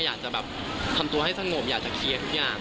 อยากจะแบบทำตัวให้สงบอยากจะเคลียร์ทุกอย่าง